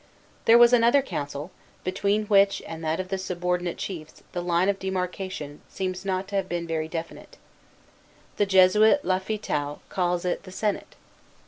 There was another council, between which and that of the subordinate chiefs the line of demarcation seems not to have been very definite. The Jesuit Lafitau calls it "the senate."